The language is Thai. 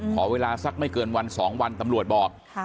ขอเวลาสักไม่เกินวัน๒วันตำรวจบอก